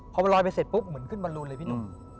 พอมันลอยไปเสร็จปุ๊บเหมือนขึ้นบอลลูนเลยพี่หนุ่ม